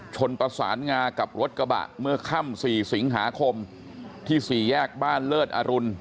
ชนประสานงากับรถกระบะเมื่อค่ำ๔สิงหาคมที่๔แยกบ้านเลิศอรุณ